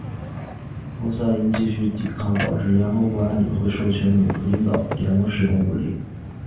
侯赛因继续顽抗导致联合国安理会授权美国领导的联盟使用武力。